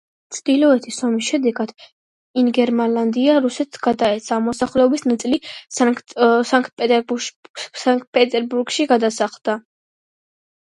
ჩრდილოეთის ომის შედეგად ინგერმანლანდია რუსეთს გადაეცა, მოსახლეობის ნაწილი სანქტ-პეტერბურგში გადასახლდა.